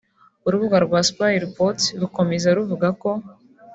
urubuga rwa Spyreports rukomeza ruvuga ko